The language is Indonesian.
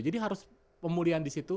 jadi harus pemulihan di situ